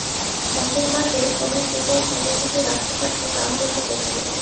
মোতির মাকে কোনো ছুতোয় কুমু যদি রাখতে পারত তা হলে সে বেঁচে যেত।